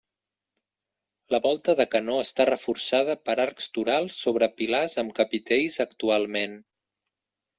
La volta de canó està reforçada per arcs torals sobre pilars amb capitells actualment.